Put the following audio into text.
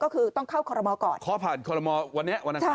ก็คือต้องเข้าคอลโลมอล์ก่อน